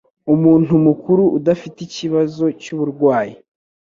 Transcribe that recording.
umuntu mukuru udafite ikibazo cy'uburwayi